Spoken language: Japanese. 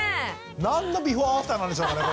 何のビフォーアフターなんでしょうかね